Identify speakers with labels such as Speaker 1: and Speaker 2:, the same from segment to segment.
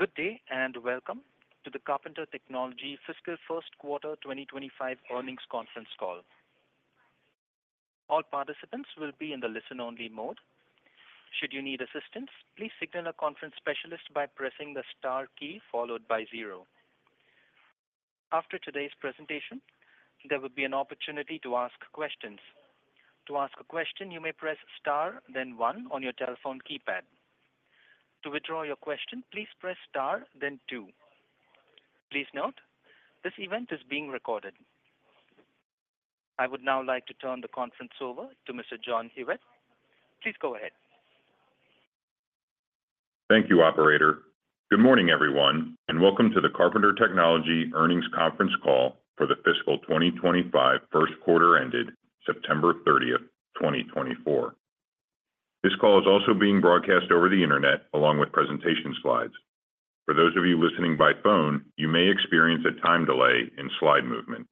Speaker 1: Good day, and welcome to the Carpenter Technology Fiscal First Quarter 2025 Earnings Conference Call. All participants will be in the listen-only mode. Should you need assistance, please signal a conference specialist by pressing the star key followed by zero. After today's presentation, there will be an opportunity to ask questions. To ask a question, you may press star, then one on your telephone keypad. To withdraw your question, please press star, then two. Please note, this event is being recorded. I would now like to turn the conference over to Mr. John Hewitt. Please go ahead.
Speaker 2: Thank you, operator. Good morning, everyone, and welcome to the Carpenter Technology Earnings Conference Call for the fiscal 2025 first quarter ended September thirtieth, twenty twenty-four. This call is also being broadcast over the internet, along with presentation slides. For those of you listening by phone, you may experience a time delay in slide movement.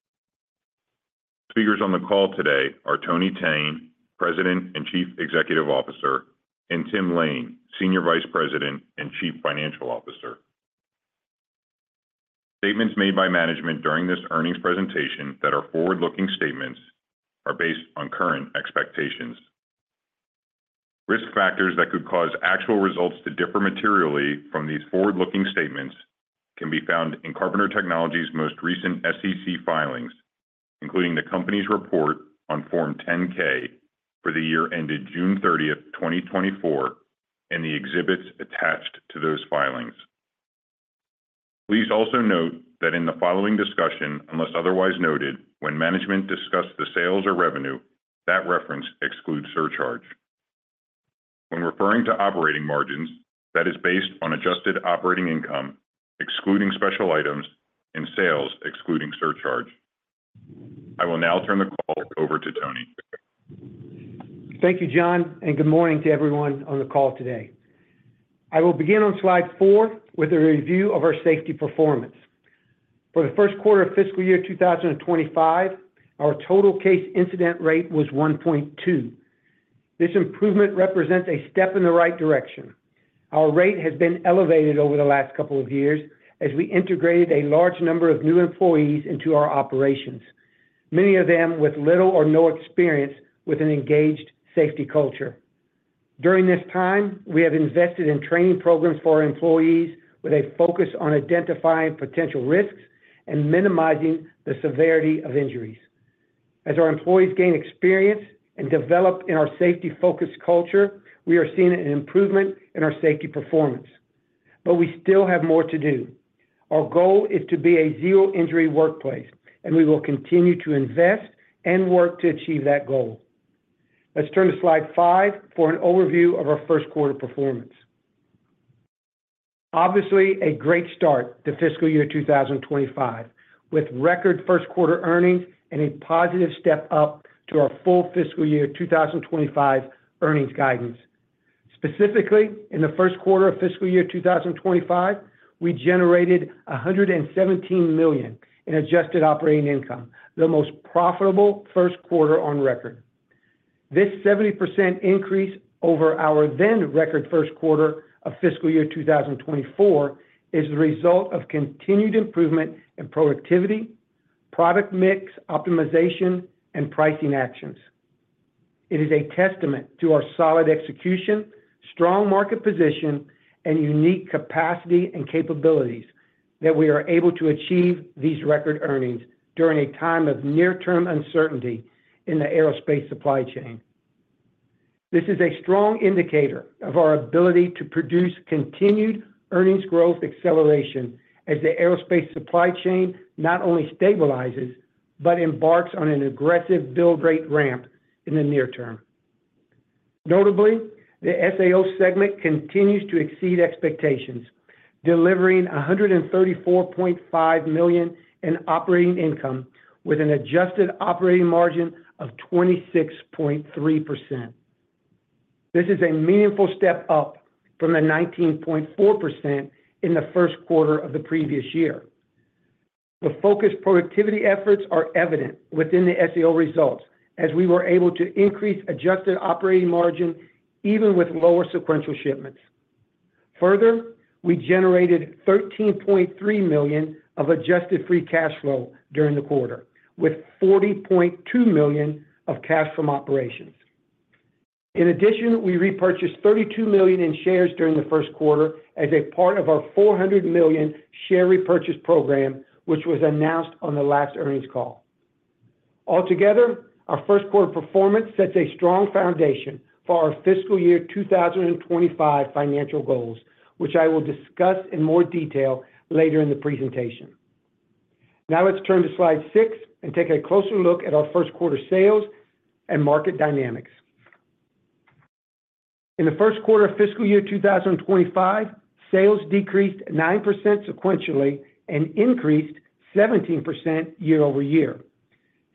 Speaker 2: Speakers on the call today are Tony Thene, President and Chief Executive Officer, and Tim Lain, Senior Vice President and Chief Financial Officer. Statements made by management during this earnings presentation that are forward-looking statements are based on current expectations. Risk factors that could cause actual results to differ materially from these forward-looking statements can be found in Carpenter Technology's most recent SEC filings, including the company's report on Form 10-K for the year ended June thirtieth, twenty twenty-four, and the exhibits attached to those filings. Please also note that in the following discussion, unless otherwise noted, when management discuss the sales or revenue, that reference excludes surcharge. When referring to operating margins, that is based on adjusted operating income, excluding special items and sales, excluding surcharge. I will now turn the call over to Tony.
Speaker 3: Thank you, John, and good morning to everyone on the call today. I will begin on Slide 4 with a review of our safety performance. For the first quarter of fiscal year 2025, our total case incident rate was 1.2. This improvement represents a step in the right direction. Our rate has been elevated over the last couple of years as we integrated a large number of new employees into our operations, many of them with little or no experience with an engaged safety culture. During this time, we have invested in training programs for our employees with a focus on identifying potential risks and minimizing the severity of injuries. As our employees gain experience and develop in our safety-focused culture, we are seeing an improvement in our safety performance, but we still have more to do. Our goal is to be a zero-injury workplace, and we will continue to invest and work to achieve that goal. Let's turn to Slide 5 for an overview of our first quarter performance. Obviously, a great start to fiscal year 2025, with record first quarter earnings and a positive step up to our full fiscal year 2025 earnings guidance. Specifically, in the first quarter of fiscal year 2025, we generated $117 million in adjusted operating income, the most profitable first quarter on record. This 70% increase over our then record first quarter of fiscal year two thousand and twenty-four is the result of continued improvement in productivity, product mix, optimization, and pricing actions. It is a testament to our solid execution, strong market position, and unique capacity and capabilities that we are able to achieve these record earnings during a time of near-term uncertainty in the aerospace supply chain. This is a strong indicator of our ability to produce continued earnings growth acceleration as the aerospace supply chain not only stabilizes but embarks on an aggressive build rate ramp in the near term. Notably, the SAO segment continues to exceed expectations, delivering $134.5 million in operating income with an adjusted operating margin of 26.3%. This is a meaningful step up from the 19.4% in the first quarter of the previous year. The focused productivity efforts are evident within the SAO results, as we were able to increase adjusted operating margin even with lower sequential shipments. Further, we generated $13.3 million of adjusted free cash flow during the quarter, with $40.2 million of cash from operations. In addition, we repurchased $32 million in shares during the first quarter as a part of our $400 million share repurchase program, which was announced on the last earnings call. Altogether, our first quarter performance sets a strong foundation for our fiscal year 2025 financial goals, which I will discuss in more detail later in the presentation. Now, let's turn to Slide 6 and take a closer look at our first quarter sales and market dynamics. In the first quarter of fiscal year 2025, sales decreased 9% sequentially and increased 17% year over year.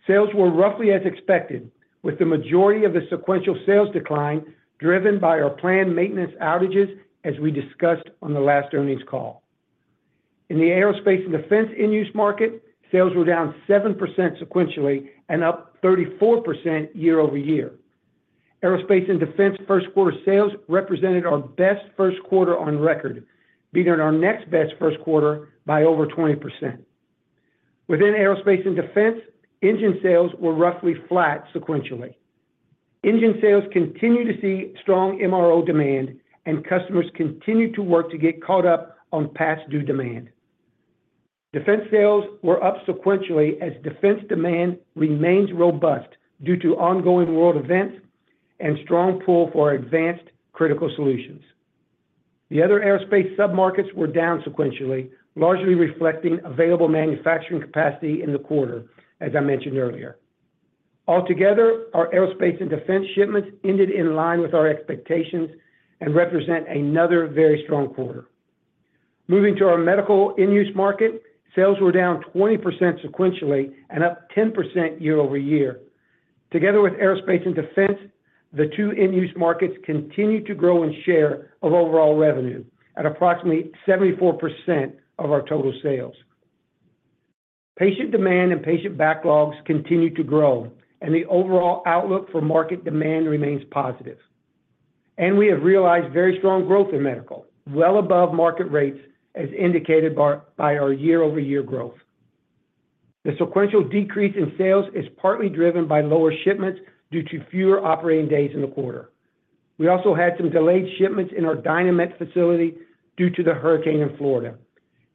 Speaker 3: Sales were roughly as expected, with the majority of the sequential sales decline driven by our planned maintenance outages, as we discussed on the last earnings call. In the aerospace and defense end-use market, sales were down 7% sequentially and up 34% year-over-year. Aerospace and defense first quarter sales represented our best first quarter on record, beating our next best first quarter by over 20%. Within aerospace and defense, engine sales were roughly flat sequentially. Engine sales continue to see strong MRO demand, and customers continue to work to get caught up on past due demand. Defense sales were up sequentially as defense demand remains robust due to ongoing world events and strong pull for advanced critical solutions. The other aerospace sub-markets were down sequentially, largely reflecting available manufacturing capacity in the quarter, as I mentioned earlier. Altogether, our aerospace and defense shipments ended in line with our expectations and represent another very strong quarter. Moving to our medical end-use market, sales were down 20% sequentially and up 10% year-over-year. Together with aerospace and defense, the two end-use markets continue to grow in share of overall revenue at approximately 74% of our total sales. Patient demand and patient backlogs continue to grow, and the overall outlook for market demand remains positive, and we have realized very strong growth in medical, well above market rates, as indicated by our year-over-year growth. The sequential decrease in sales is partly driven by lower shipments due to fewer operating days in the quarter. We also had some delayed shipments in our Dynamet facility due to the hurricane in Florida,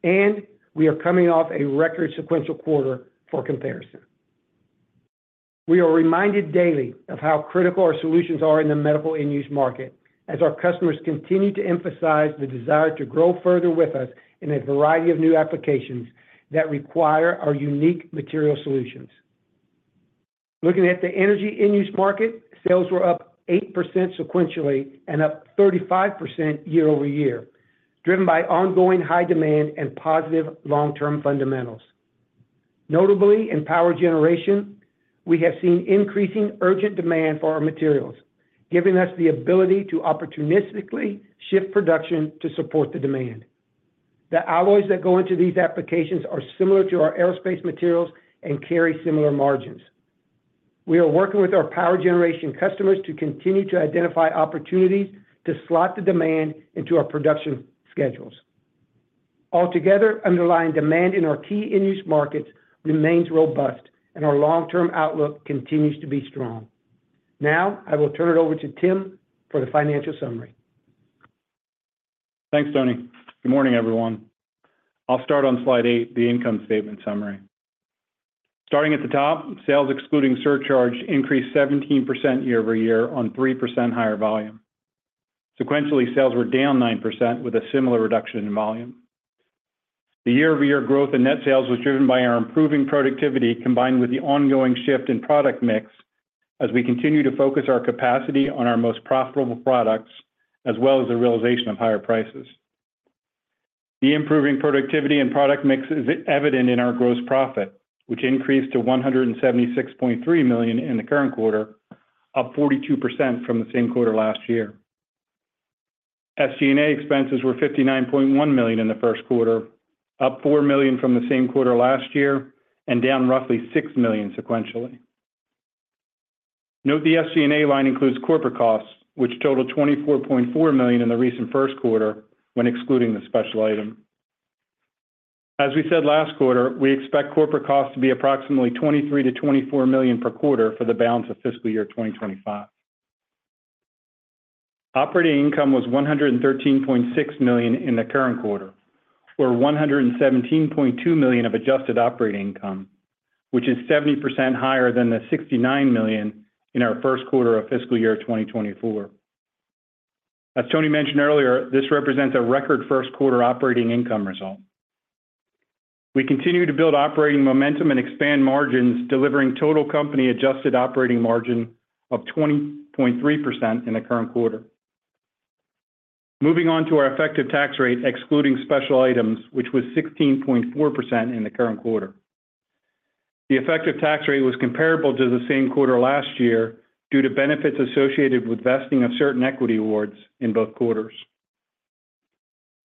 Speaker 3: and we are coming off a record sequential quarter for comparison. We are reminded daily of how critical our solutions are in the medical end-use market, as our customers continue to emphasize the desire to grow further with us in a variety of new applications that require our unique material solutions. Looking at the energy end-use market, sales were up 8% sequentially and up 35% year-over-year, driven by ongoing high demand and positive long-term fundamentals. Notably, in power generation, we have seen increasing urgent demand for our materials, giving us the ability to opportunistically shift production to support the demand. The alloys that go into these applications are similar to our aerospace materials and carry similar margins. We are working with our power generation customers to continue to identify opportunities to slot the demand into our production schedules. Altogether, underlying demand in our key end-use markets remains robust, and our long-term outlook continues to be strong. Now, I will turn it over to Tim for the financial summary.
Speaker 4: Thanks, Tony. Good morning, everyone. I'll start on Slide 8, the income statement summary. Starting at the top, sales excluding surcharge increased 17% year-over-year on 3% higher volume. Sequentially, sales were down 9% with a similar reduction in volume. The year-over-year growth in net sales was driven by our improving productivity, combined with the ongoing shift in product mix, as we continue to focus our capacity on our most profitable products, as well as the realization of higher prices. The improving productivity and product mix is evident in our gross profit, which increased to $176.3 million in the current quarter, up 42% from the same quarter last year. SG&A expenses were $59.1 million in the first quarter, up $4 million from the same quarter last year and down roughly $6 million sequentially. Note, the SG&A line includes corporate costs, which totaled $24.4 million in the recent first quarter when excluding the special item. As we said last quarter, we expect corporate costs to be approximately $23-$24 million per quarter for the balance of fiscal year 2025. Operating income was $113.6 million in the current quarter, or $117.2 million of adjusted operating income, which is 70% higher than the $69 million in our first quarter of fiscal year 2024. As Tony mentioned earlier, this represents a record first quarter operating income result. We continue to build operating momentum and expand margins, delivering total company-adjusted operating margin of 20.3% in the current quarter. Moving on to our effective tax rate, excluding special items, which was 16.4% in the current quarter. The effective tax rate was comparable to the same quarter last year due to benefits associated with vesting of certain equity awards in both quarters.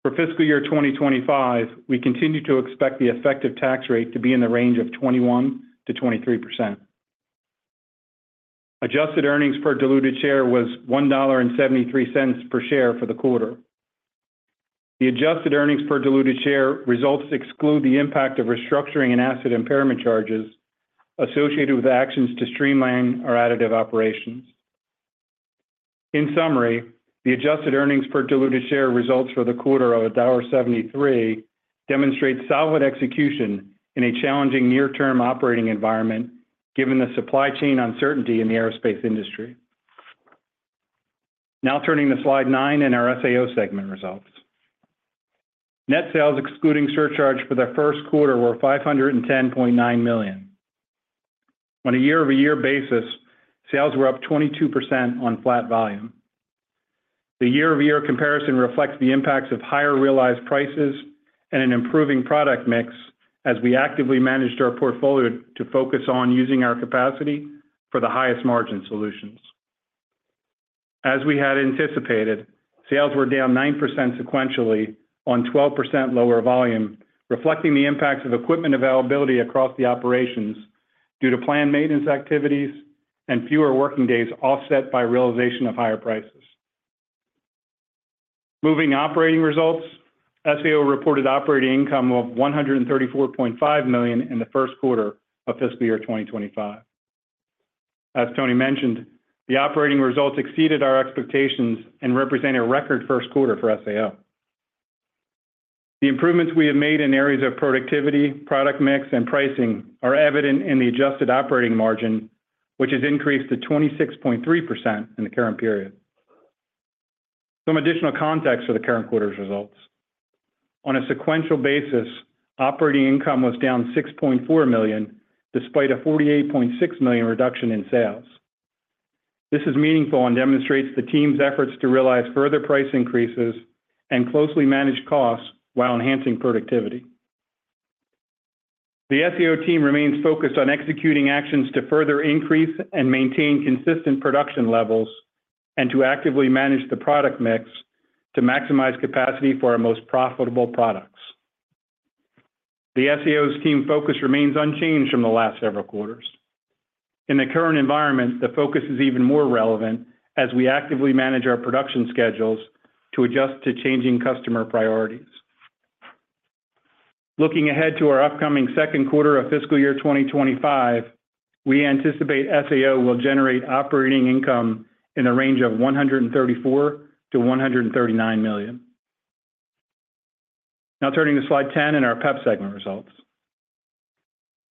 Speaker 4: For fiscal year twenty twenty-five, we continue to expect the effective tax rate to be in the range of 21%-23%. Adjusted Earnings Per Diluted Share was $1.73 per share for the quarter. The Adjusted Earnings Per Diluted Share results exclude the impact of restructuring and asset impairment charges associated with actions to streamline our additive operations. In summary, the Adjusted Earnings Per Diluted Share results for the quarter of $1.73 demonstrates solid execution in a challenging near-term operating environment, given the supply chain uncertainty in the aerospace industry. Now turning to Slide 9 and our SAO segment results. Net sales, excluding surcharge, for the first quarter were $510.9 million. On a year-over-year basis, sales were up 22% on flat volume. The year-over-year comparison reflects the impacts of higher realized prices and an improving product mix as we actively managed our portfolio to focus on using our capacity for the highest margin solutions. As we had anticipated, sales were down 9% sequentially on 12% lower volume, reflecting the impact of equipment availability across the operations due to planned maintenance activities and fewer working days, offset by realization of higher prices. Moving operating results, SAO reported operating income of $134.5 million in the first quarter of fiscal year 2025. As Tony mentioned, the operating results exceeded our expectations and represent a record first quarter for SAO. The improvements we have made in areas of productivity, product mix, and pricing are evident in the adjusted operating margin, which has increased to 26.3% in the current period. Some additional context for the current quarter's results. On a sequential basis, operating income was down $6.4 million, despite a $48.6 million reduction in sales. This is meaningful and demonstrates the team's efforts to realize further price increases and closely manage costs while enhancing productivity. The SAO team remains focused on executing actions to further increase and maintain consistent production levels, and to actively manage the product mix to maximize capacity for our most profitable products. The SAO's team focus remains unchanged from the last several quarters. In the current environment, the focus is even more relevant as we actively manage our production schedules to adjust to changing customer priorities. Looking ahead to our upcoming second quarter of fiscal year 2025, we anticipate SAO will generate operating income in a range of $134 million-$139 million. Now turning to Slide 10 in our PEP segment results.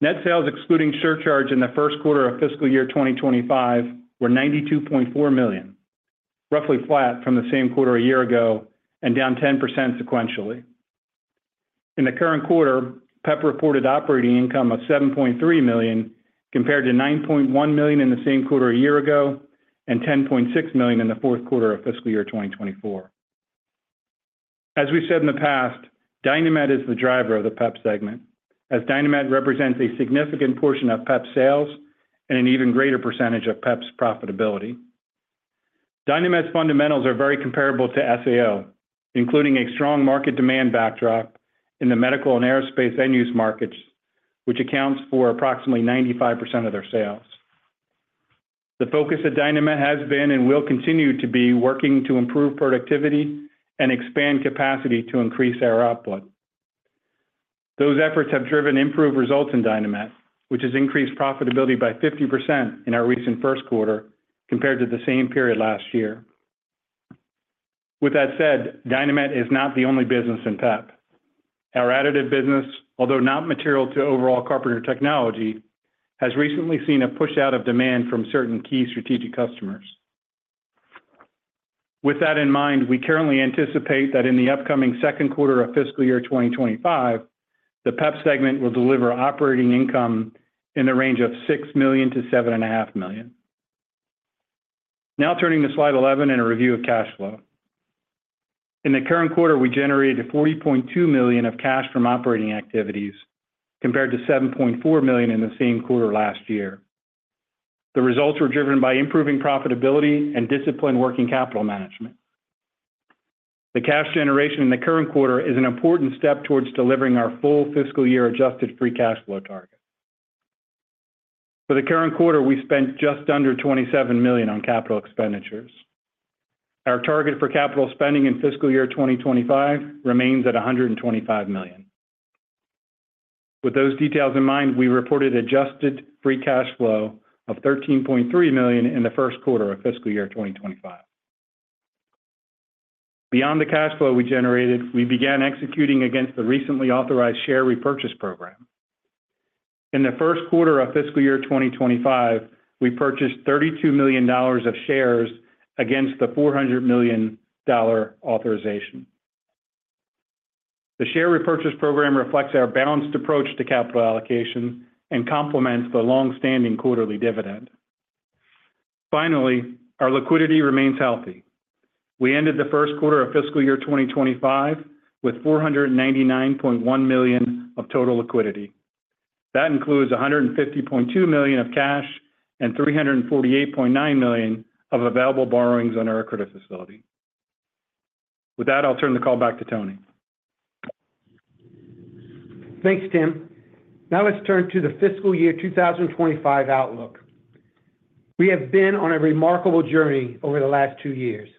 Speaker 4: Net sales, excluding surcharge in the first quarter of fiscal year 2025, were $92.4 million. Roughly flat from the same quarter a year ago and down 10% sequentially. In the current quarter, PEP reported operating income of $7.3 million, compared to $9.1 million in the same quarter a year ago, and $10.6 million in the fourth quarter of fiscal year 2024. As we said in the past, Dynamet is the driver of the PEP segment, as Dynamet represents a significant portion of PEP's sales and an even greater percentage of PEP's profitability. Dynamet's fundamentals are very comparable to SAO, including a strong market demand backdrop in the medical and aerospace end-use markets, which accounts for approximately 95% of their sales. The focus at Dynamet has been, and will continue to be, working to improve productivity and expand capacity to increase our output. Those efforts have driven improved results in Dynamet, which has increased profitability by 50% in our recent first quarter compared to the same period last year. With that said, Dynamet is not the only business in PEP. Our additive business, although not material to overall Carpenter Technology, has recently seen a push out of demand from certain key strategic customers. With that in mind, we currently anticipate that in the upcoming second quarter of fiscal year 2025, the PEP segment will deliver operating income in the range of $6 million-$7.5 million. Now turning to Slide 11 and a review of cash flow. In the current quarter, we generated $40.2 million of cash from operating activities, compared to $7.4 million in the same quarter last year. The results were driven by improving profitability and disciplined working capital management. The cash generation in the current quarter is an important step towards delivering our full fiscal year adjusted free cash flow target. For the current quarter, we spent just under $27 million on capital expenditures. Our target for capital spending in fiscal year 2025 remains at $125 million. With those details in mind, we reported adjusted free cash flow of $13.3 million in the first quarter of fiscal year 2025. Beyond the cash flow we generated, we began executing against the recently authorized share repurchase program. In the first quarter of fiscal year 2025, we purchased $32 million of shares against the $400 million authorization. The share repurchase program reflects our balanced approach to capital allocation and complements the long-standing quarterly dividend. Finally, our liquidity remains healthy. We ended the first quarter of fiscal year 2025 with $499.1 million of total liquidity. That includes $150.2 million of cash and $348.9 million of available borrowings on our credit facility. With that, I'll turn the call back to Tony.
Speaker 3: Thanks, Tim. Now let's turn to the fiscal year 2025 outlook. We have been on a remarkable journey over the last two years.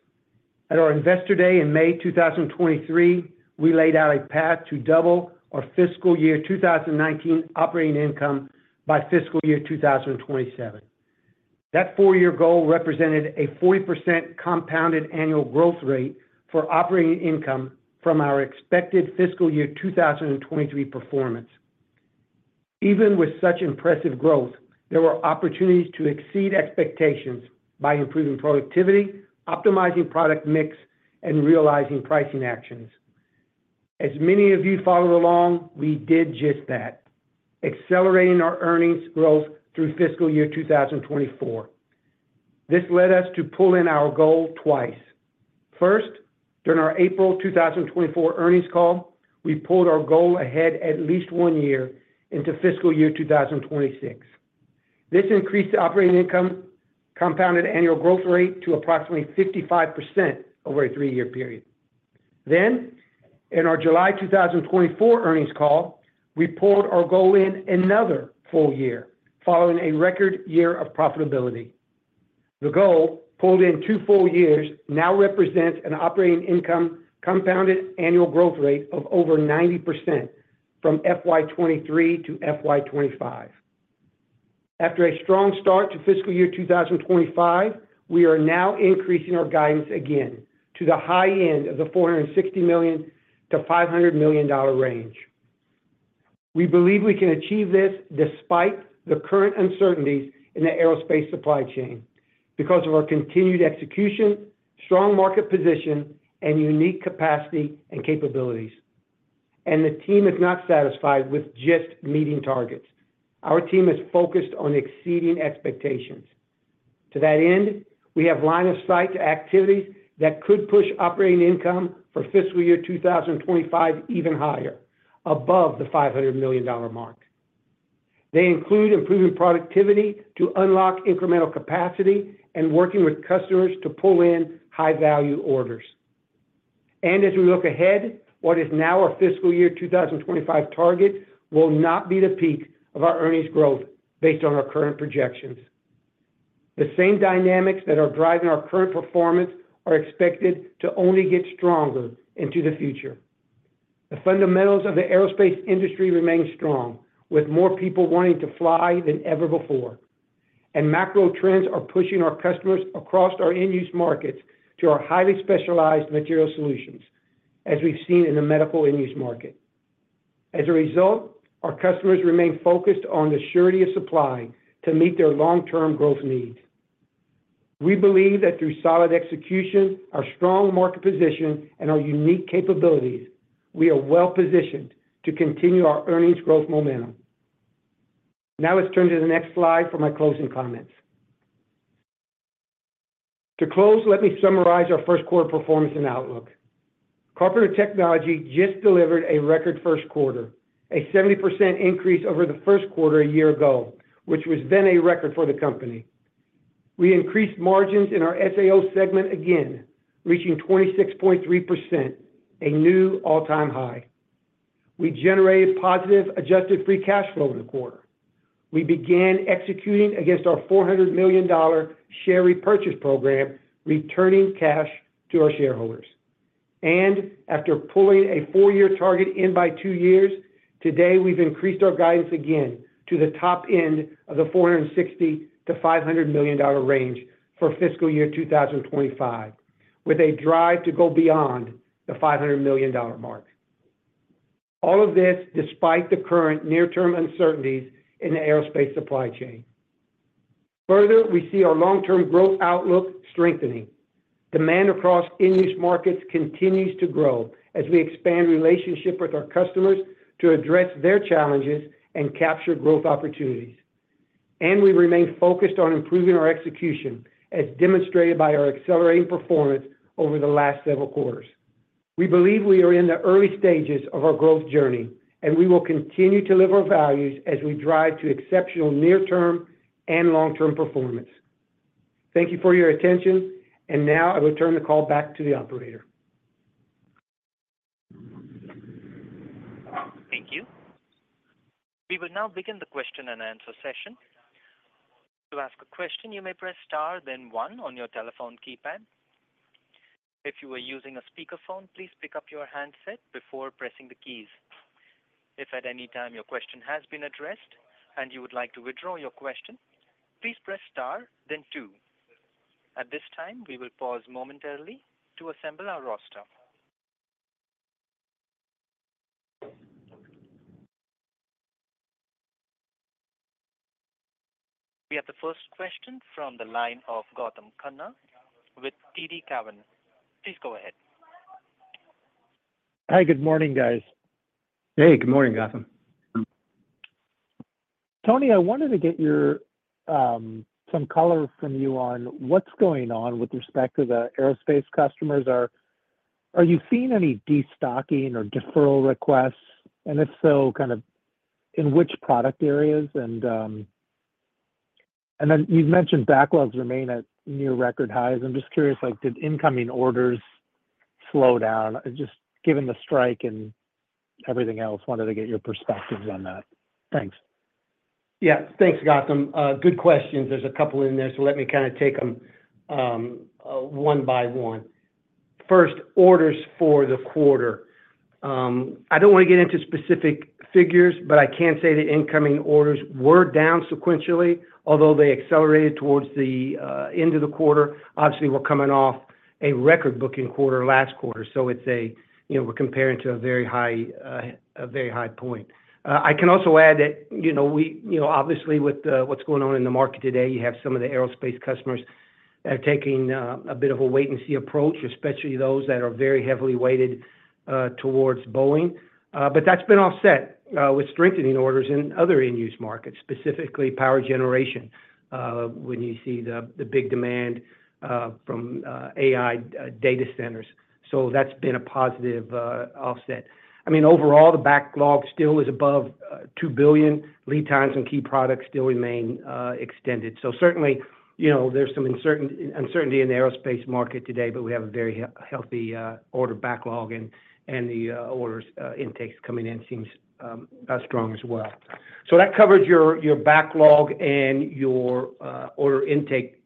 Speaker 3: At our Investor Day in May 2023, we laid out a path to double our fiscal year 2019 operating income by fiscal year 2027. That four-year goal represented a 40% compound annual growth rate for operating income from our expected fiscal year 2023 performance. Even with such impressive growth, there were opportunities to exceed expectations by improving productivity, optimizing product mix, and realizing pricing actions. As many of you follow along, we did just that, accelerating our earnings growth through fiscal year 2024. This led us to pull in our goal twice. First, during our April 2024 earnings call, we pulled our goal ahead at least one year into fiscal year two thousand and twenty-six. This increased the operating income compounded annual growth rate to approximately 55% over a three-year period. Then, in our July two thousand and twenty-four earnings call, we pulled our goal in another full year, following a record year of profitability. The goal, pulled in two full years, now represents an operating income compounded annual growth rate of over 90% from FY 2023 to FY 2025. After a strong start to fiscal year 2025, we are now increasing our guidance again to the high end of the $460 million-$500 million range. We believe we can achieve this despite the current uncertainties in the aerospace supply chain because of our continued execution, strong market position, and unique capacity and capabilities. And the team is not satisfied with just meeting targets. Our team is focused on exceeding expectations. To that end, we have line of sight to activities that could push operating income for fiscal year 2025 even higher, above the $500 million mark. They include improving productivity to unlock incremental capacity and working with customers to pull in high-value orders. And as we look ahead, what is now our fiscal year 2025 target will not be the peak of our earnings growth based on our current projections. The same dynamics that are driving our current performance are expected to only get stronger into the future. The fundamentals of the aerospace industry remain strong, with more people wanting to fly than ever before, and macro trends are pushing our customers across our end-use markets to our highly specialized material solutions, as we've seen in the medical end-use market. As a result, our customers remain focused on the surety of supply to meet their long-term growth needs. We believe that through solid execution, our strong market position, and our unique capabilities, we are well-positioned to continue our earnings growth momentum. Now, let's turn to the next slide for my closing comments. To close, let me summarize our first quarter performance and outlook. Carpenter Technology just delivered a record first quarter, a 70% increase over the first quarter a year ago, which was then a record for the company. We increased margins in our SAO segment again, reaching 26.3%, a new all-time high. We generated positive adjusted free cash flow in the quarter. We began executing against our $400 million share repurchase program, returning cash to our shareholders. And after pulling a four-year target in by two years, today, we've increased our guidance again to the top end of the $460 million-$500 million range for fiscal year 2025, with a drive to go beyond the $500 million mark. All of this despite the current near-term uncertainties in the aerospace supply chain. Further, we see our long-term growth outlook strengthening. Demand across end-use markets continues to grow as we expand relationship with our customers to address their challenges and capture growth opportunities. And we remain focused on improving our execution, as demonstrated by our accelerating performance over the last several quarters. We believe we are in the early stages of our growth journey, and we will continue to live our values as we drive to exceptional near-term and long-term performance. Thank you for your attention, and now I will turn the call back to the operator.
Speaker 1: Thank you. We will now begin the question-and-answer session. To ask a question, you may press star, then one on your telephone keypad. If you are using a speakerphone, please pick up your handset before pressing the keys. If at any time your question has been addressed and you would like to withdraw your question, please press star, then two. At this time, we will pause momentarily to assemble our roster. We have the first question from the line of Gautam Khanna with TD Cowen. Please go ahead.
Speaker 5: Hi, good morning, guys.
Speaker 3: Hey, good morning, Gautam.
Speaker 5: Tony, I wanted to get your some color from you on what's going on with respect to the aerospace customers. Are you seeing any destocking or deferral requests? And if so, kind of in which product areas? And then you've mentioned backlogs remain at near record highs. I'm just curious, like, did incoming orders slow down? Just given the strike and everything else, wanted to get your perspectives on that. Thanks.
Speaker 3: Yeah. Thanks, Gautam. Good questions. There's a couple in there, so let me kinda take them one by one. First, orders for the quarter. I don't wanna get into specific figures, but I can say the incoming orders were down sequentially, although they accelerated towards the end of the quarter. Obviously, we're coming off a record booking quarter last quarter, so it's a you know, we're comparing to a very high a very high point. I can also add that, you know, we, you know, obviously, with what's going on in the market today, you have some of the aerospace customers taking a bit of a wait-and-see approach, especially those that are very heavily weighted towards Boeing. But that's been offset with strengthening orders in other end-use markets, specifically power generation, when you see the big demand from AI data centers. So that's been a positive offset. I mean, overall, the backlog still is above $2 billion. Lead times and key products still remain extended. So certainly, you know, there's some uncertainty in the aerospace market today, but we have a very healthy order backlog and the orders intakes coming in seems strong as well. So that covers your backlog and your order intake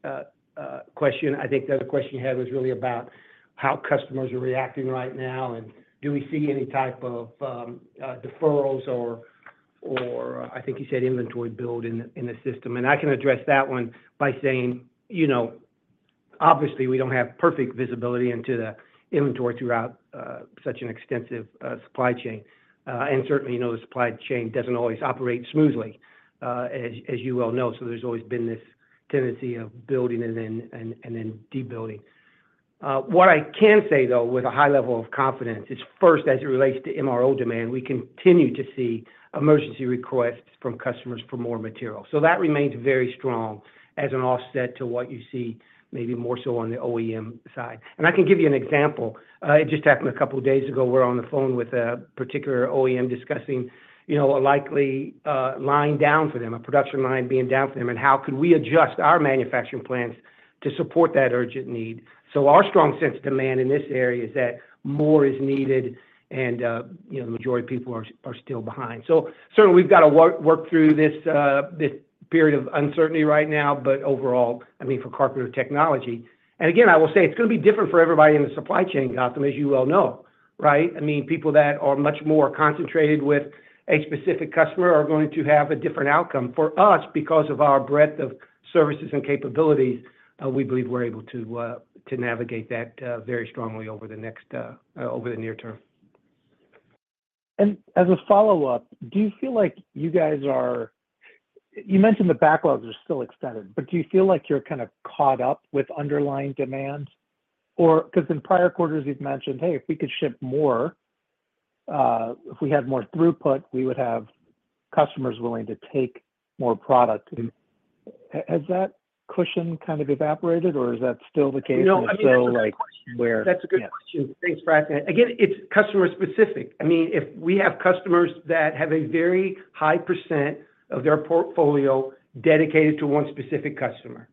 Speaker 3: question. I think the other question you had was really about how customers are reacting right now, and do we see any type of deferrals or I think you said inventory build in the system? And I can address that one by saying, you know, obviously, we don't have perfect visibility into the inventory throughout such an extensive supply chain. And certainly, you know, the supply chain doesn't always operate smoothly, as you well know, so there's always been this tendency of building and then de-building. What I can say, though, with a high level of confidence, is first, as it relates to MRO demand, we continue to see emergency requests from customers for more material. So that remains very strong as an offset to what you see, maybe more so on the OEM side. And I can give you an example. It just happened a couple of days ago. We're on the phone with a particular OEM discussing, you know, a likely line down for them, a production line being down for them, and how could we adjust our manufacturing plans to support that urgent need? So our strong sense of demand in this area is that more is needed, and, you know, the majority of people are still behind. So certainly, we've got to work through this period of uncertainty right now, but overall, I mean, for Carpenter Technology. And again, I will say it's gonna be different for everybody in the supply chain, Gautam, as you well know, right? I mean, people that are much more concentrated with a specific customer are going to have a different outcome. For us, because of our breadth of services and capabilities, we believe we're able to navigate that very strongly over the near term.
Speaker 5: And as a follow-up, do you feel like you guys are. You mentioned the backlogs are still extended, but do you feel like you're kind of caught up with underlying demand? Or, 'cause in prior quarters, you've mentioned, "Hey, if we could ship more, if we had more throughput, we would have customers willing to take more product." And has that cushion kind of evaporated, or is that still the case? And so, like, where-
Speaker 3: No, I mean, that's a good question.
Speaker 5: Yeah.
Speaker 3: That's a good question. Thanks for asking. Again, it's customer specific. I mean, if we have customers that have a very high percent of their portfolio dedicated to one specific customer,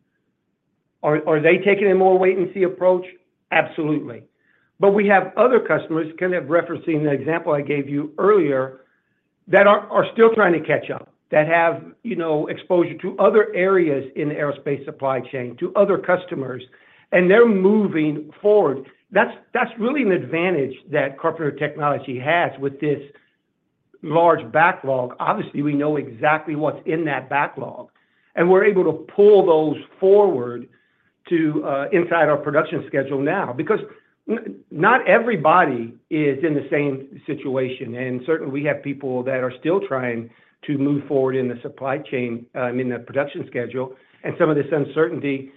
Speaker 3: are they taking a more wait-and-see approach? Absolutely. But we have other customers, kind of referencing the example I gave you earlier, that are still trying to catch up, that have, you know, exposure to other areas in the aerospace supply chain, to other customers, and they're moving forward. That's really an advantage that Carpenter Technology has with this large backlog. Obviously, we know exactly what's in that backlog, and we're able to pull those forward to inside our production schedule now. Because not everybody is in the same situation, and certainly, we have people that are still trying to move forward in the supply chain, I mean, the production schedule, and some of this uncertainty,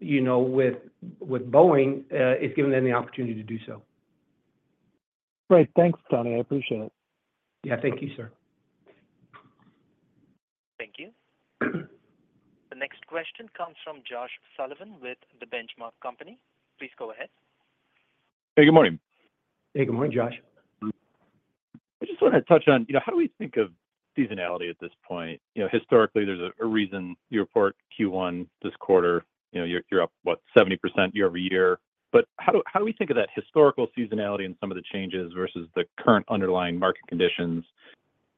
Speaker 3: you know, with Boeing, is giving them the opportunity to do so.
Speaker 5: Great. Thanks, Tony. I appreciate it.
Speaker 3: Yeah. Thank you, sir.
Speaker 1: Thank you. The next question comes from Josh Sullivan with The Benchmark Company. Please go ahead.
Speaker 6: Hey, good morning.
Speaker 3: Hey, good morning, Josh.
Speaker 6: I just wanna touch on, you know, how do we think of seasonality at this point? You know, historically, there's a reason you report Q1 this quarter. You know, you're up, what? 70% year over year. But how do we think of that historical seasonality and some of the changes versus the current underlying market conditions?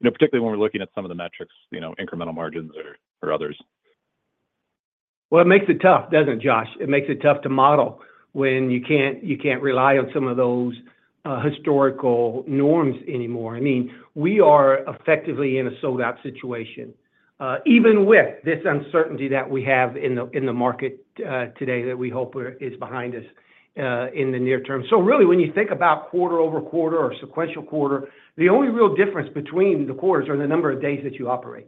Speaker 6: You know, particularly when we're looking at some of the metrics, you know, incremental margins or others.
Speaker 3: It makes it tough, doesn't it, Josh? It makes it tough to model when you can't rely on some of those historical norms anymore. I mean, we are effectively in a sold-out situation, even with this uncertainty that we have in the market today that we hope is behind us in the near term. So really, when you think about quarter over quarter or sequential quarter, the only real difference between the quarters is the number of days that you operate,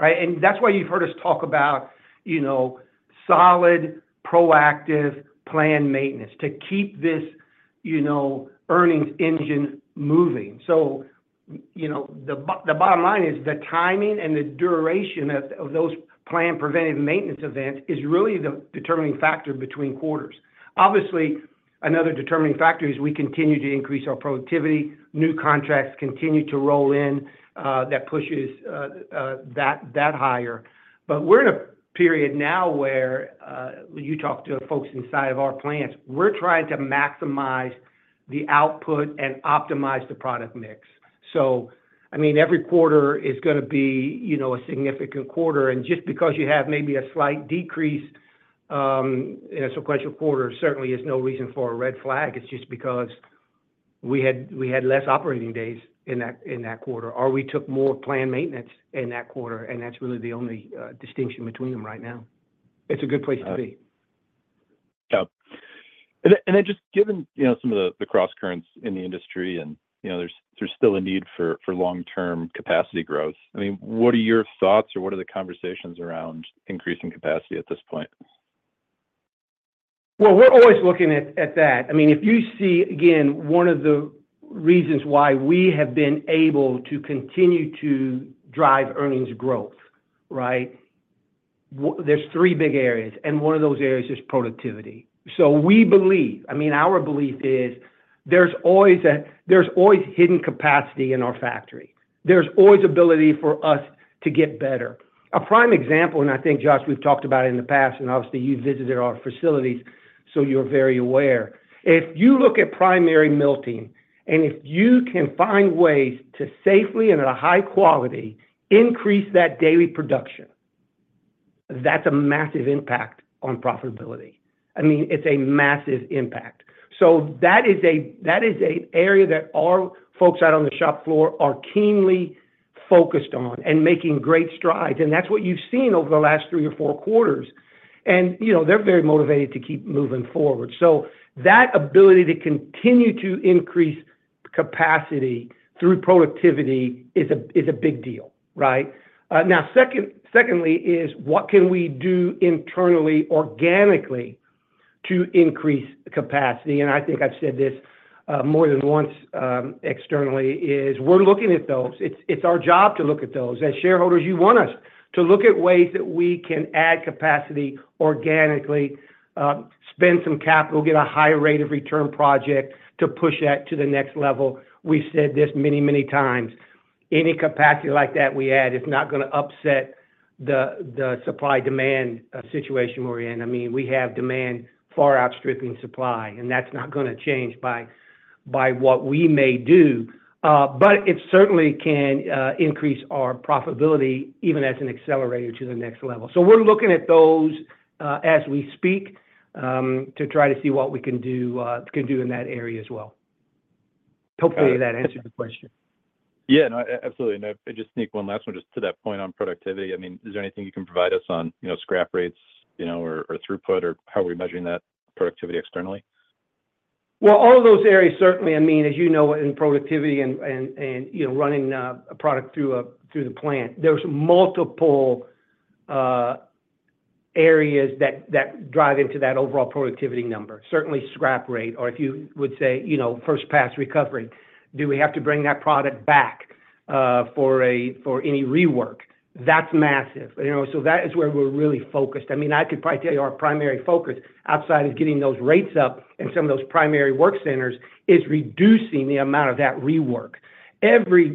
Speaker 3: right? And that's why you've heard us talk about, you know, solid, proactive planned maintenance to keep this, you know, earnings engine moving. So, you know, the bottom line is the timing and the duration of those planned preventive maintenance events is really the determining factor between quarters. Obviously, another determining factor is we continue to increase our productivity, new contracts continue to roll in, that pushes that higher. But we're in a period now where, when you talk to the folks inside of our plants, we're trying to maximize the output and optimize the product mix. So, I mean, every quarter is gonna be, you know, a significant quarter. And just because you have maybe a slight decrease in a sequential quarter, certainly is no reason for a red flag. It's just because we had less operating days in that quarter, or we took more planned maintenance in that quarter, and that's really the only distinction between them right now. It's a good place to be.
Speaker 6: Yep. And, and then just given, you know, some of the, the cross currents in the industry, and, you know, there's, there's still a need for, for long-term capacity growth. I mean, what are your thoughts, or what are the conversations around increasing capacity at this point?
Speaker 3: We're always looking at that. I mean, if you see, again, one of the reasons why we have been able to continue to drive earnings growth, right? There's three big areas, and one of those areas is productivity. So we believe. I mean, our belief is, there's always hidden capacity in our factory. There's always ability for us to get better. A prime example, and I think, Josh, we've talked about it in the past, and obviously, you've visited our facilities, so you're very aware. If you look at primary milling, and if you can find ways to safely and at a high quality increase that daily production, that's a massive impact on profitability. I mean, it's a massive impact. So that is an area that our folks out on the shop floor are keenly focused on and making great strides, and that's what you've seen over the last three or four quarters. And, you know, they're very motivated to keep moving forward. So that ability to continue to increase capacity through productivity is a big deal, right? Now, secondly is, what can we do internally, organically, to increase capacity? And I think I've said this more than once, externally, is we're looking at those. It's our job to look at those. As shareholders, you want us to look at ways that we can add capacity organically, spend some capital, get a higher rate of return project to push that to the next level. We've said this many, many times. Any capacity like that we add is not gonna upset the supply-demand situation we're in. I mean, we have demand far outstripping supply, and that's not gonna change by what we may do. But it certainly can increase our profitability, even as an accelerator to the next level, so we're looking at those as we speak to try to see what we can do in that area as well. Hopefully, that answered the question.
Speaker 6: Yeah, no, absolutely. And I just sneak one last one just to that point on productivity. I mean, is there anything you can provide us on, you know, scrap rates, you know, or, or throughput, or how are we measuring that productivity externally?
Speaker 3: All of those areas, certainly, I mean, as you know, in productivity and you know, running a product through the plant, there's multiple areas that drive into that overall productivity number. Certainly, scrap rate, or if you would say, you know, first-pass recovery. Do we have to bring that product back for any rework? That's massive. You know, so that is where we're really focused. I mean, I could probably tell you our primary focus, outside of getting those rates up in some of those primary work centers, is reducing the amount of that rework. Every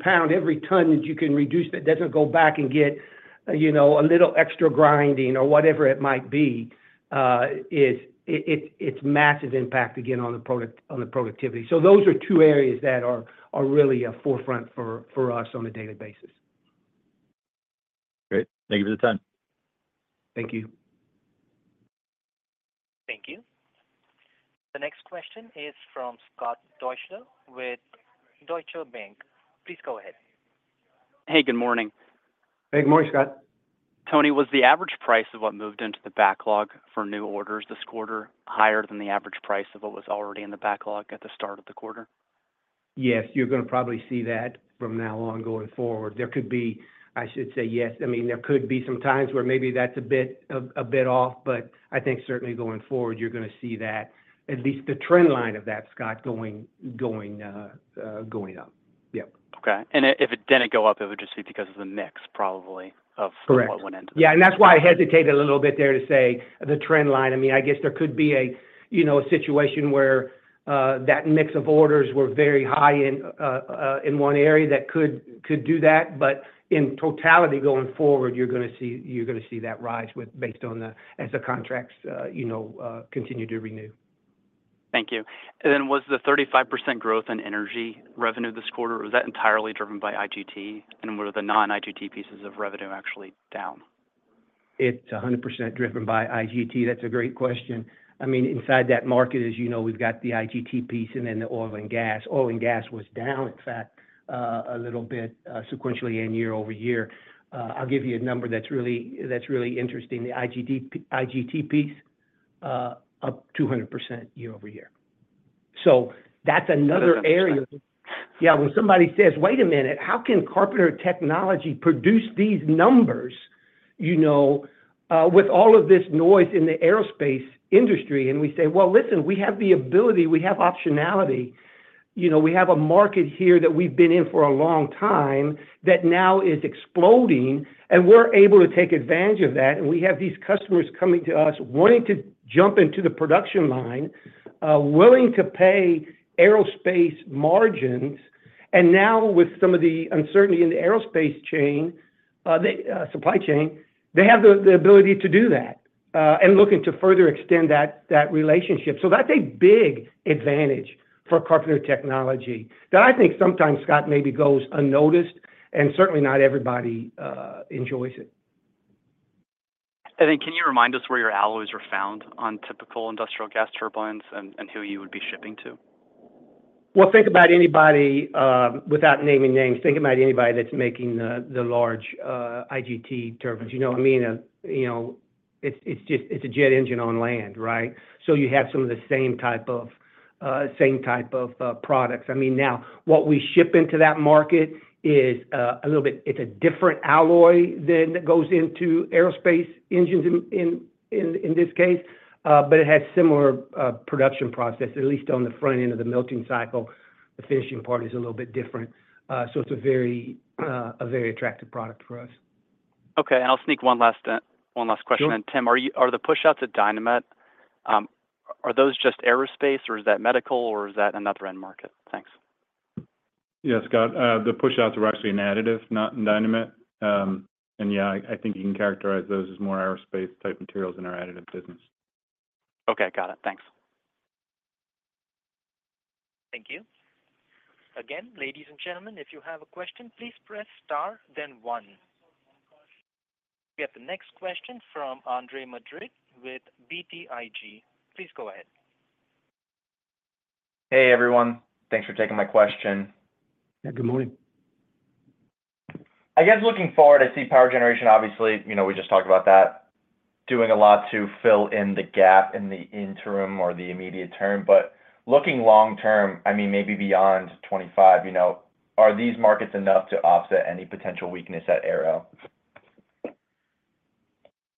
Speaker 3: pound, every ton that you can reduce that doesn't go back and get you know, a little extra grinding or whatever it might be, it's massive impact, again, on the productivity. So those are two areas that are really a forefront for us on a daily basis.
Speaker 6: Great. Thank you for the time.
Speaker 3: Thank you.
Speaker 1: Thank you. The next question is from Scott Deuschle with Deutsche Bank. Please go ahead.
Speaker 7: Hey, good morning.
Speaker 3: Good morning, Scott.
Speaker 7: Tony, was the average price of what moved into the backlog for new orders this quarter higher than the average price of what was already in the backlog at the start of the quarter?
Speaker 3: Yes, you're gonna probably see that from now on going forward. There could be. I should say yes. I mean, there could be some times where maybe that's a bit off, but I think certainly going forward, you're gonna see that, at least the trend line of that, Scott, going up. Yep.
Speaker 7: Okay. And if it didn't go up, it would just be because of the mix, probably, of-
Speaker 3: Correct
Speaker 7: from what went into it.
Speaker 3: Yeah, and that's why I hesitated a little bit there to say the trend line. I mean, I guess there could be a, you know, a situation where that mix of orders were very high in one area that could do that. But in totality, going forward, you're gonna see that rise with based on the- as the contracts, you know, continue to renew.
Speaker 7: Thank you. And then, was the 35% growth in energy revenue this quarter, was that entirely driven by IGT? And were the non-IGT pieces of revenue actually down?
Speaker 3: It's 100% driven by IGT. That's a great question. I mean, inside that market, as you know, we've got the IGT piece and then the oil and gas. Oil and gas was down, in fact, a little bit, sequentially and year over year. I'll give you a number that's really interesting. The IGT piece, up 200% year over year. So that's another area-
Speaker 7: That's impressive.
Speaker 3: Yeah. When somebody says, "Wait a minute, how can Carpenter Technology produce these numbers, you know, with all of this noise in the aerospace industry?" And we say: Well, listen, we have the ability, we have optionality. You know, we have a market here that we've been in for a long time, that now is exploding, and we're able to take advantage of that. And we have these customers coming to us, wanting to jump into the production line, willing to pay aerospace margins. And now, with some of the uncertainty in the aerospace chain, the supply chain, they have the ability to do that, and looking to further extend that relationship. So that's a big advantage for Carpenter Technology, that I think sometimes, Scott, maybe goes unnoticed, and certainly not everybody enjoys it.
Speaker 7: Then, can you remind us where your alloys are found on typical industrial gas turbines and who you would be shipping to?
Speaker 3: Well, think about anybody, without naming names, think about anybody that's making the large IGT turbines. You know what I mean? You know, it's just a jet engine on land, right? So you have some of the same type of products. I mean, now, what we ship into that market is a little bit. It's a different alloy than that goes into aerospace engines in this case, but it has similar production process, at least on the front end of the melting cycle. The finishing part is a little bit different. So it's a very attractive product for us.
Speaker 7: Okay, and I'll sneak one last question in.
Speaker 3: Sure.
Speaker 7: Tim, are the pushouts at Dynamet, are those just aerospace, or is that medical, or is that another end market? Thanks.
Speaker 4: Yeah, Scott, the pushouts are actually an additive, not in Dynamet. And yeah, I think you can characterize those as more aerospace-type materials in our additive business.
Speaker 7: Okay, got it. Thanks.
Speaker 1: Thank you. Again, ladies and gentlemen, if you have a question, please press star, then one. We have the next question from Andre Madrid with BTIG. Please go ahead.
Speaker 8: Hey, everyone. Thanks for taking my question.
Speaker 3: Yeah, good morning.
Speaker 8: I guess looking forward, I see power generation, obviously, you know, we just talked about that, doing a lot to fill in the gap in the interim or the immediate term. But looking long term, I mean, maybe beyond 2025, you know, are these markets enough to offset any potential weakness at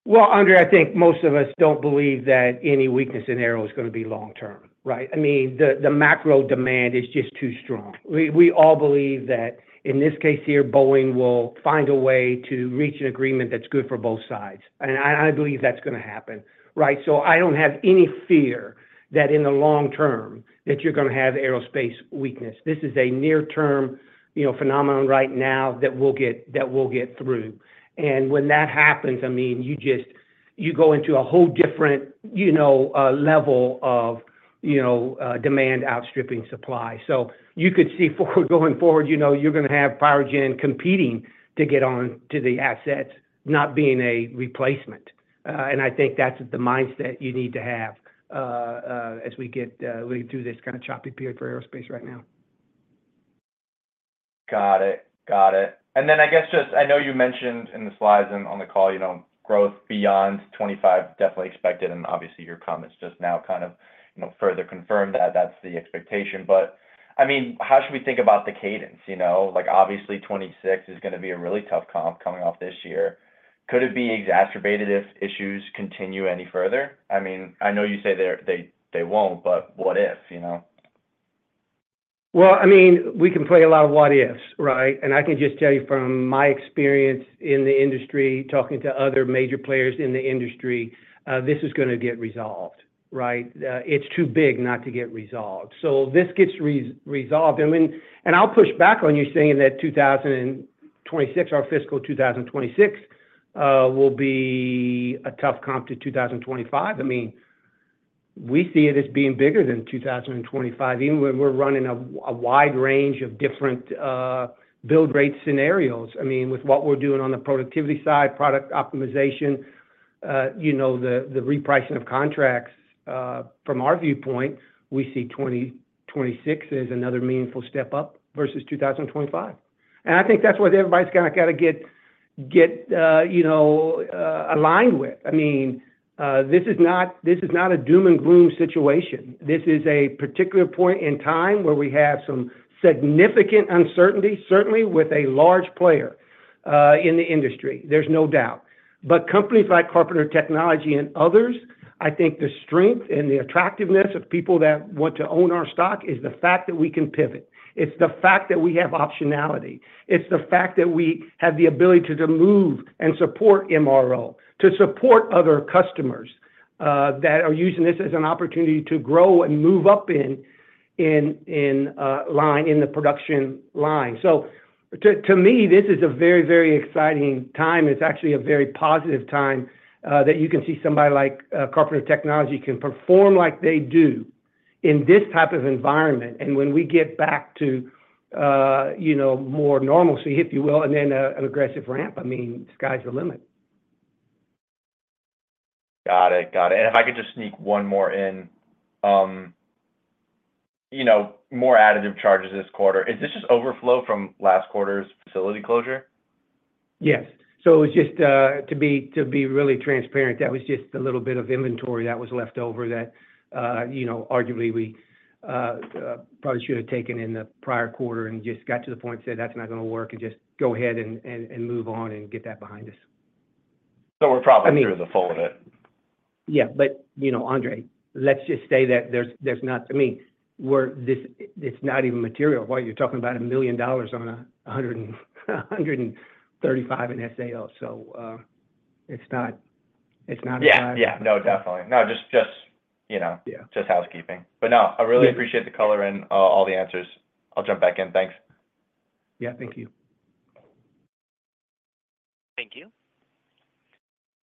Speaker 8: Aero?
Speaker 3: Andre, I think most of us don't believe that any weakness in Aero is gonna be long term, right? I mean, the macro demand is just too strong. We all believe that in this case here, Boeing will find a way to reach an agreement that's good for both sides, and I believe that's gonna happen, right? So I don't have any fear that in the long term, that you're gonna have aerospace weakness. This is a near-term, you know, phenomenon right now that we'll get through. And when that happens, I mean, you just, you go into a whole different, you know, level of, you know, demand outstripping supply. So you could see, going forward, you know, you're gonna have power gen competing to get on to the assets, not being a replacement. I think that's the mindset you need to have as we get through this kind of choppy period for aerospace right now.
Speaker 8: Got it. Got it. And then I guess just I know you mentioned in the slides and on the call, you know, growth beyond 2025, definitely expected, and obviously, your comments just now kind of, you know, further confirm that that's the expectation. But, I mean, how should we think about the cadence, you know? Like, obviously, 2026 is gonna be a really tough comp coming off this year. Could it be exacerbated if issues continue any further? I mean, I know you say they're, they won't, but what if, you know?
Speaker 3: Well, I mean, we can play a lot of what ifs, right? And I can just tell you from my experience in the industry, talking to other major players in the industry, this is gonna get resolved, right? It's too big not to get resolved. So this gets resolved. I mean, and I'll push back on you saying that two thousand and twenty-six, our fiscal two thousand and twenty-six, will be a tough comp to 2025. I mean, we see it as being bigger than 2025, even when we're running a wide range of different build rate scenarios. I mean, with what we're doing on the productivity side, product optimization, you know, the repricing of contracts, from our viewpoint, we see twenty twenty-six as another meaningful step up versus 2025. I think that's what everybody's kinda gotta get you know aligned with. I mean, this is not a doom and gloom situation. This is a particular point in time where we have some significant uncertainty, certainly with a large player in the industry. There's no doubt. But companies like Carpenter Technology and others, I think the strength and the attractiveness of people that want to own our stock is the fact that we can pivot. It's the fact that we have optionality. It's the fact that we have the ability to move and support MRO, to support other customers that are using this as an opportunity to grow and move up in line, in the production line. So to me, this is a very, very exciting time. It's actually a very positive time that you can see somebody like Carpenter Technology can perform like they do in this type of environment, and when we get back to you know more normalcy, if you will, and then an aggressive ramp, I mean, sky's the limit.
Speaker 8: Got it. Got it. And if I could just sneak one more in, you know, more additive charges this quarter, is this just overflow from last quarter's facility closure?
Speaker 3: Yes. So it's just to be really transparent, that was just a little bit of inventory that was left over that, you know, arguably, we probably should have taken in the prior quarter and just got to the point, said, "That's not gonna work," and just go ahead and move on and get that behind us.
Speaker 8: So we're probably-
Speaker 3: I mean-
Speaker 8: through the full of it.
Speaker 3: Yeah, but you know, Andre, let's just say that there's not... I mean, this, it's not even material. What you're talking about $1 million on $135 in SAO. So, it's not, it's not-
Speaker 8: Yeah. No, definitely. Just you know-
Speaker 3: Yeah.
Speaker 8: Just housekeeping. But no
Speaker 3: Yeah.
Speaker 8: I really appreciate the color and all the answers. I'll jump back in. Thanks.
Speaker 3: Yeah, thank you.
Speaker 1: Thank you.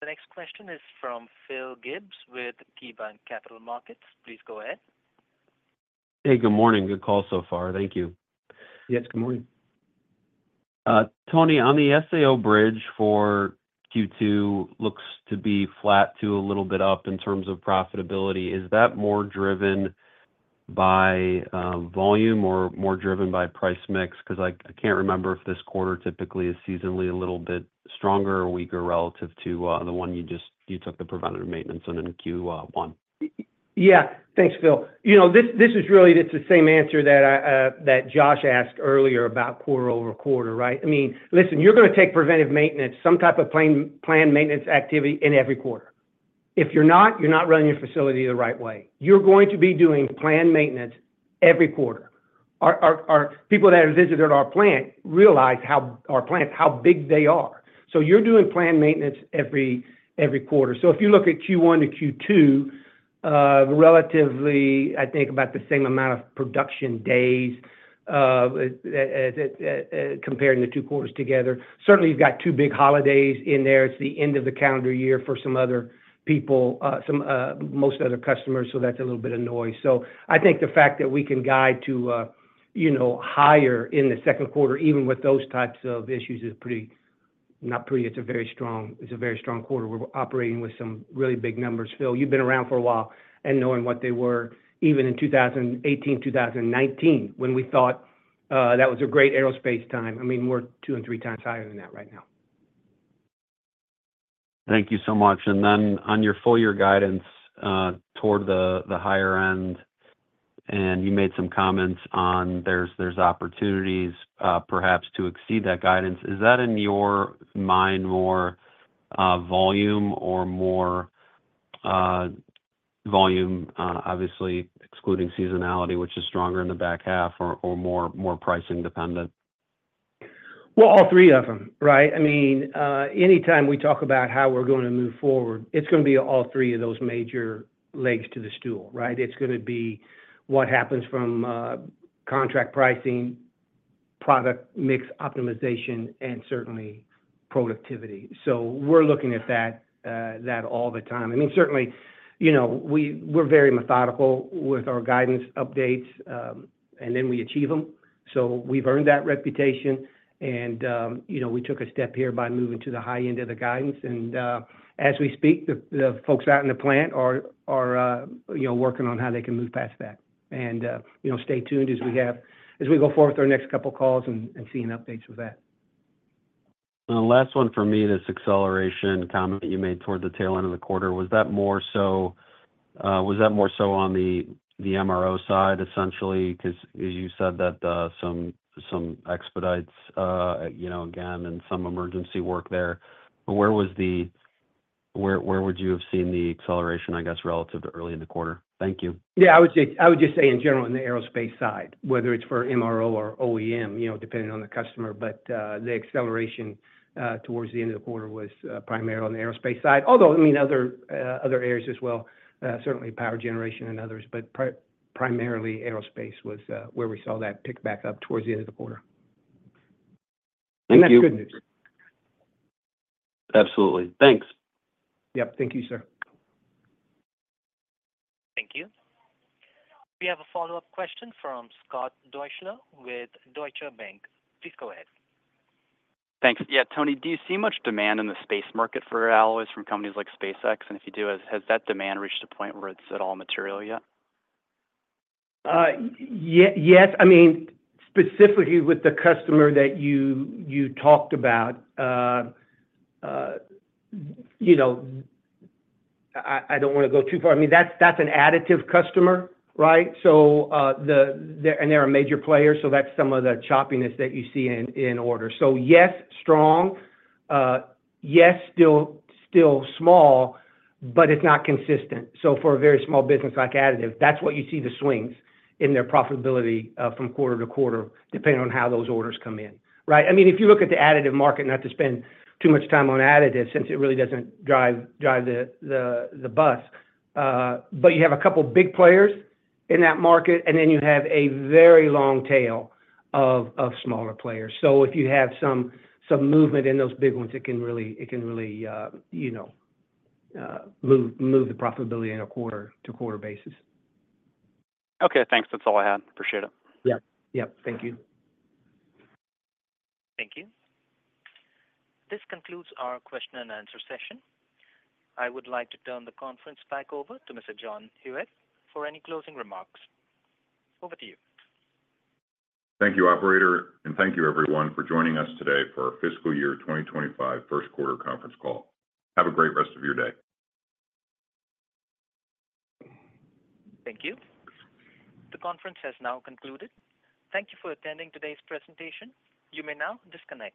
Speaker 1: The next question is from Phil Gibbs with KeyBanc Capital Markets. Please go ahead.
Speaker 9: Hey, good morning. Good call so far. Thank you.
Speaker 3: Yes, good morning. Tony, on the SAO bridge for Q2 looks to be flat to a little bit up in terms of profitability. Is that more driven by volume or more driven by price mix? Because I, I can't remember if this quarter typically is seasonally a little bit stronger or weaker relative to the one you just you took the preventative maintenance on in Q1.
Speaker 9: Yeah. Thanks, Phil. You know, this is really, it's the same answer that I that Josh asked earlier about quarter over quarter, right? I mean, listen, you're gonna take preventive maintenance, some type of planned maintenance activity in every quarter. If you're not, you're not running your facility the right way. You're going to be doing planned maintenance every quarter. Our people that have visited our plant realize how our plants, how big they are. So you're doing planned maintenance every quarter. So if you look at Q1 to Q2, relatively, I think about the same amount of production days, comparing the two quarters together. Certainly, you've got two big holidays in there. It's the end of the calendar year for some other people, some most other customers, so that's a little bit of noise. So I think the fact that we can guide to, you know, higher in the second quarter, even with those types of issues, it's a very strong quarter. We're operating with some really big numbers. Phil, you've been around for a while, and knowing what they were, even in two thousand and eighteen, two thousand and nineteen, when we thought that was a great aerospace time, I mean, we're two and three times higher than that right now. Thank you so much. And then on your full year guidance toward the higher end, and you made some comments on there's opportunities perhaps to exceed that guidance. Is that, in your mind, more volume or more pricing dependent?
Speaker 3: Well, all three of them, right? I mean, anytime we talk about how we're going to move forward, it's gonna be all three of those major legs to the stool, right? It's gonna be what happens from, contract pricing, product mix optimization, and certainly productivity. So we're looking at that, that all the time. I mean, certainly, you know, we're very methodical with our guidance updates, and then we achieve them. So we've earned that reputation, and, you know, we took a step here by moving to the high end of the guidance. And, you know, as we speak, the folks out in the plant are, you know, working on how they can move past that. And, you know, stay tuned as we go forward with our next couple of calls and seeing updates with that.
Speaker 9: The last one for me, this acceleration comment that you made towards the tail end of the quarter, was that more so on the MRO side, essentially? Because you said that some expedites, you know, again, and some emergency work there. But where was the... Where would you have seen the acceleration, I guess, relative to early in the quarter? Thank you.
Speaker 3: Yeah, I would just say in general, in the aerospace side, whether it's for MRO or OEM, you know, depending on the customer, but the acceleration towards the end of the quarter was primarily on the aerospace side. Although, I mean, other areas as well, certainly power generation and others, but primarily aerospace was where we saw that pick back up towards the end of the quarter.
Speaker 9: Thank you.
Speaker 3: That's good news.
Speaker 9: Absolutely. Thanks.
Speaker 3: Yep. Thank you, sir.
Speaker 1: Thank you. We have a follow-up question from Scott Deuschle with Deutsche Bank. Please go ahead.
Speaker 7: Thanks. Yeah, Tony, do you see much demand in the space market for alloys from companies like SpaceX? And if you do, has that demand reached a point where it's at all material yet?
Speaker 3: Yes. I mean, specifically with the customer that you talked about, you know, I don't want to go too far. I mean, that's an additive customer, right? So, they're a major player, so that's some of the choppiness that you see in order. So yes, strong, yes, still small, but it's not consistent. So for a very small business like additive, that's what you see the swings in their profitability from quarter to quarter, depending on how those orders come in, right? I mean, if you look at the additive market, not to spend too much time on additive, since it really doesn't drive the bus, but you have a couple of big players in that market, and then you have a very long tail of smaller players. So if you have some movement in those big ones, it can really, you know, move the profitability in a quarter-to-quarter basis. Okay, thanks. That's all I had. Appreciate it. Yep. Yep. Thank you.
Speaker 1: Thank you. This concludes our question and answer session. I would like to turn the conference back over to Mr. John Hewitt for any closing remarks. Over to you.
Speaker 2: Thank you, operator, and thank you, everyone, for joining us today for our fiscal year twenty twenty-five first quarter conference call. Have a great rest of your day.
Speaker 1: Thank you. The conference has now concluded. Thank you for attending today's presentation. You may now disconnect.